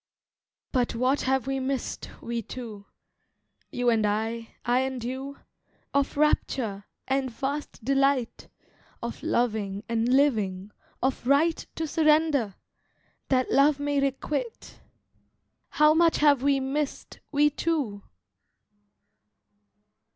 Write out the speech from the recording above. But what have we missed, we two— You and I—I and you— Of rapture, and vast delight, Of loving, and living, of right To surrender, that love may requite, How much have we missed, we two!